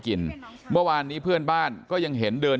คือป้าไปดูครั้งแรกคิดว่าเขาเมาคือป้าไปดูครั้งแรกคิดว่าเขาเมา